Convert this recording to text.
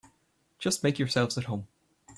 Just make yourselves at home.